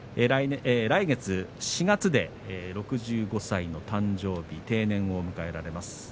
来月４月で６５歳の誕生日定年を迎えられます。